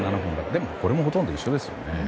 でもこれもほとんど一緒ですよね。